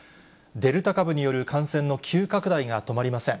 デルタ株による感染の急拡大が止まりません。